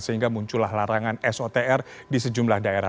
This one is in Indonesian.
sehingga muncullah larangan sotr di sejumlah daerah